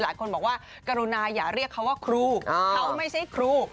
หลายคนบอกว่ากรุณาอย่าเรียกเขาว่าครูเขาไม่ใช่ครู